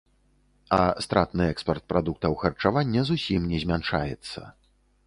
А стратны экспарт прадуктаў харчавання зусім не змяншаецца.